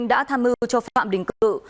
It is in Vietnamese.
đã tham mưu cho phạm đình cựu